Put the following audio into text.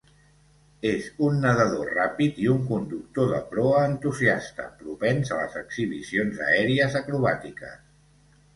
És un nedador ràpid i un conductor de proa entusiasta, propens a les exhibicions aèries acrobàtiques.